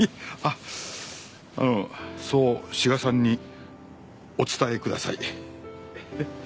あのそう志賀さんにお伝えください。